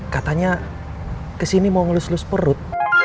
katanya kesini mau ngelus ngelus perut